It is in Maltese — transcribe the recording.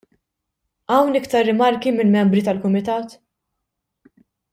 Hawn iktar rimarki mill-membri tal-Kumitat?